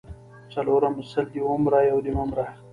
څلرم:سل دي ومره یو دي مه مره